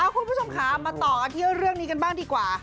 คุณผู้ชมค่ะมาต่อกันที่เรื่องนี้กันบ้างดีกว่า